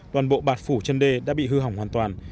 đoàn bộ bạc phủ chân đê đã bị hư hỏng hoàn toàn